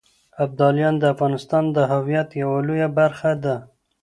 ابداليان د افغانستان د هویت يوه لويه برخه ده.